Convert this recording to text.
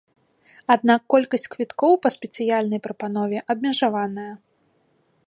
Аднак колькасць квіткоў па спецыяльнай прапанове абмежаваная.